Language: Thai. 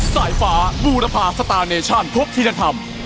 สายฟ้าบูรพาสตาร์เนชั่นพบที่ท่านทำ